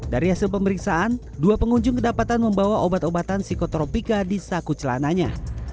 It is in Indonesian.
dari hasil pemeriksaan dua pengunjung kedapatan membawa obat obatan psikotropika di saku celananya